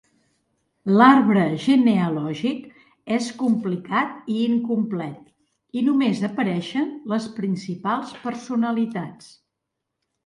L'arbre genealògic és complicat i incomplet i només apareixen les principals personalitats.